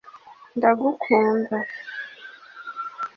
Ndagukunda